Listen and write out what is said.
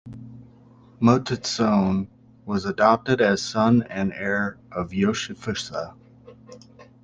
Mototsune was adopted as son and heir of Yoshifusa.